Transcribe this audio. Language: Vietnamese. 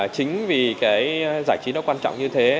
chính vì giải trí đó quan trọng như thế